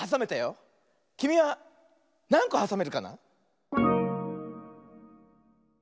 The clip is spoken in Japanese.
きみはなんこはさめるかな？